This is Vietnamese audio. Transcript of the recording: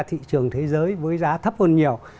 thị trường thế giới với giá thấp hơn nhiều